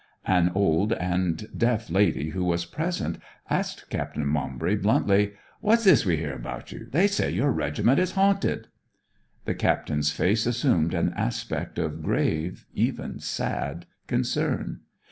An old and deaf lady who was present asked Captain Maumbry bluntly: 'What's this we hear about you? They say your regiment is haunted.' The Captain's face assumed an aspect of grave, even sad, concern.